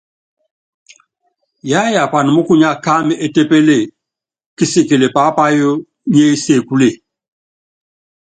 Yiáyapan múkunya kámɛ étépeple, kisikilɛ pápayo nyiɛ́ ésekúle.